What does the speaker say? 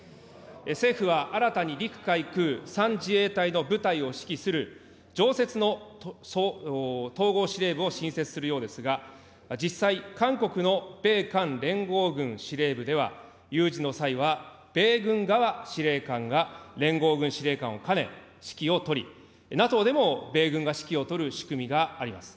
政府は新たに陸海空３自衛隊の部隊を指揮する常設の統合司令部を新設するようですが、実際、韓国の米韓連合軍司令部では、有事の際は米軍側司令官が連合軍司令官を兼ね、指揮を執り、ＮＡＴＯでも米軍が指揮を執る仕組みがあります。